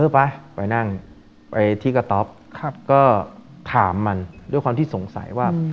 ไปที่กระท๊อปก็ถามมันด้วยความที่สงสัยว่า